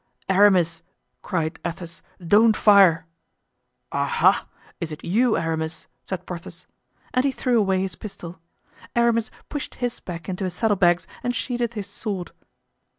"Aramis!" cried Athos, "don't fire!" "Ah! ha! is it you, Aramis?" said Porthos. And he threw away his pistol. Aramis pushed his back into his saddle bags and sheathed his sword.